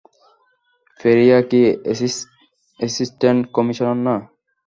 পেরিয়াইয়া কী assistant commissioner না?